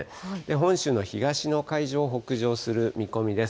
本州の東の海上を北上する見込みです。